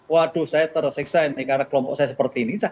waduh saya tersiksa ini karena kelompok saya seperti ini